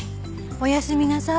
おやすみなさい。